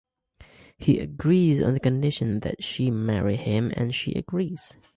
He agrees on the condition that she marry him and she agrees.